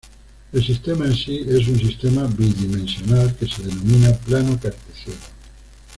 El sistema en sí es un sistema bidimensional, que se denomina plano cartesiano.